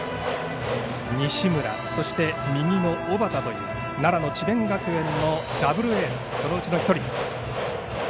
西村そして右の小畠という奈良智弁学園のダブルエースそのうちの１人。